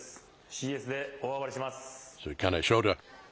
ＣＳで大暴れします。